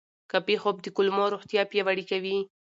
کافي خوب د کولمو روغتیا پیاوړې کوي.